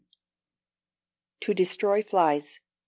To Destroy Flies (2).